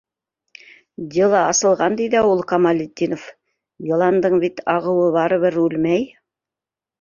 «Дело» асылған ти ҙә ул Камалетдинов, йыландың бит ағыуы барыбер үлмәй...